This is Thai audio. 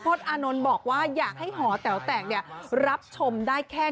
เขาก็บอกว่ามีความคิดจัดสารต่ออยู่แล้ว